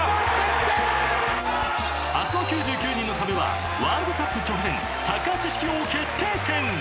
［明日の『９９人の壁』はワールドカップ直前サッカー知識王決定戦］